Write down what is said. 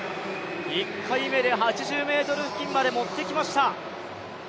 １回目で８０ｍ付近までもってきました。